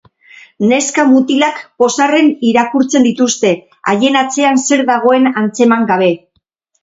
Neska-mutilak pozarren irakurtzen dituzte, haien atzean zer dagoen antzeman gabe.